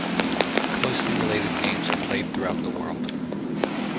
Closely related games are played throughout the world.